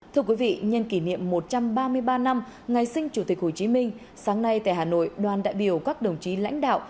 thưa quý vị nhân kỷ niệm một trăm ba mươi ba năm ngày sinh chủ tịch hồ chí minh sáng nay tại hà nội đoàn đại biểu các đồng chí lãnh đạo